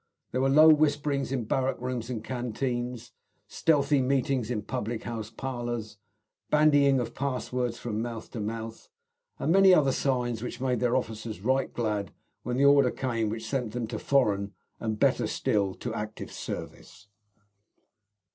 There were low whisperings in barrack rooms and canteens, stealthy meetings in public house parlours, bandying of passwords from mouth to mouth, and many other signs which made their officers right glad when the order came which sent them to foreign, and better still, to active service.